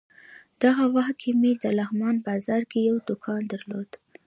دغه وخت کې مې د لغمان بازار کې یو دوکان درلود.